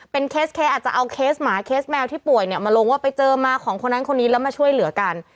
เคสเคสอาจจะเอาเคสหมาเคสแมวที่ป่วยเนี่ยมาลงว่าไปเจอมาของคนนั้นคนนี้แล้วมาช่วยเหลือกัน